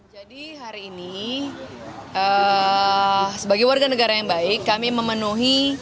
jadi hari ini sebagai warga negara yang baik kami memenuhi